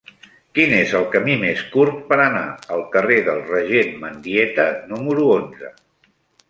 Quin és el camí més curt per anar al carrer del Regent Mendieta número onze?